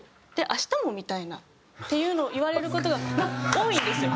「『明日も』みたいな」っていうのを言われる事が多いんですよ。